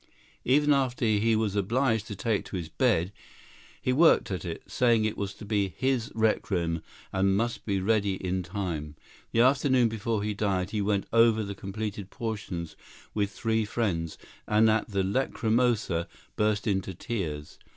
Even after he was obliged to take to his bed, he worked at it, saying it was to be his Requiem and must be ready in time. The afternoon before he died, he went over the completed portions with three friends, and at the Lachrymosa burst into tears.